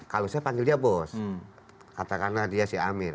kalau saya panggil dia bos katakanlah dia si amir